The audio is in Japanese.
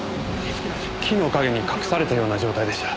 木の陰に隠されたような状態でした。